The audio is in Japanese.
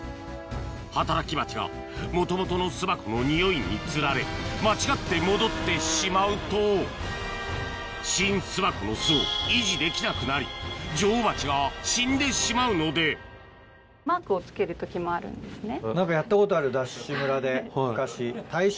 働きバチがもともとの巣箱のニオイにつられ間違って戻ってしまうと新巣箱の巣を維持できなくなり女王バチが死んでしまうのではぁはぁはぁ。